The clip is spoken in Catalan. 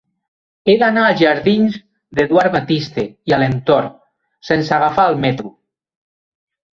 He d'anar als jardins d'Eduard Batiste i Alentorn sense agafar el metro.